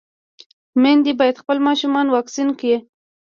ميندې بايد خپل ماشومان واکسين کړي.